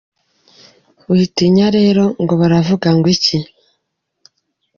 Witinya rero ngo baravuga ngo iki.